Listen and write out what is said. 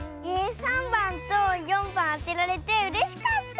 ３ばんと４ばんあてられてうれしかった！